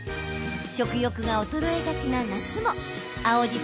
食欲が衰えがちな夏も青じ